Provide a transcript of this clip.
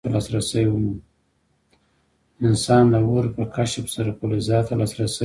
انسان د اور په کشف سره فلزاتو ته لاسرسی وموند.